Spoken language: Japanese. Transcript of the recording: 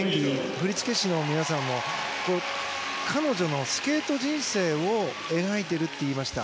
振付師の皆さんも彼女のスケート人生を描いていると言いました。